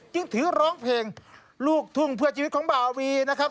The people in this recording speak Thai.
จึงถือร้องเพลงลูกทุ่งเพื่อชีวิตของบาวีนะครับ